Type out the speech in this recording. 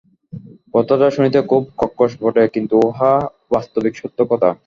কথাটা শুনিতে খুব কর্কশ বটে, কিন্তু উহা বাস্তবিক সত্য কথা।